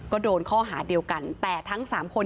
ก็โดนข้อหาเดียวกันแต่ทั้งสามคน